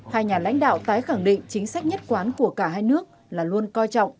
hai nhà lãnh đạo tái khẳng định chính sách nhất quán của cả hai nước là luôn coi trọng